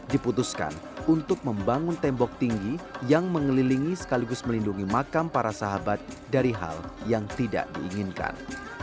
diputuskan untuk membangun tembok tinggi yang mengelilingi sekaligus melindungi makam para sahabat dari hal yang tidak diinginkan